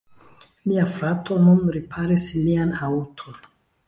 Mia frato nun riparis mian aŭton.